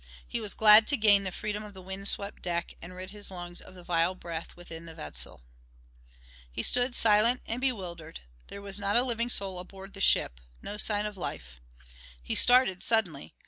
He was glad to gain the freedom of the wind swept deck and rid his lungs of the vile breath within the vessel. He stood silent and bewildered. There was not a living soul aboard the ship no sign of life. He started suddenly.